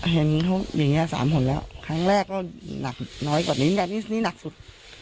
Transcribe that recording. เห็นเขาอย่างนี้๓คนแล้วครั้งแรกก็หนักน้อยกว่านี้แต่นี่หนักสุด